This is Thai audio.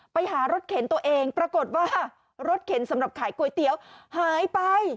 ไปหารถเข็นตัวเองปรากฏว่ารถเข็นสำหรับขายก๋วยเตี๋ยวหายไป